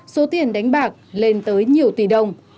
số tiền đánh bạc lên tới nhiều tỷ đồng